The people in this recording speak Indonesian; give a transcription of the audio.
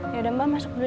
yaudah mbak masuk dulu ya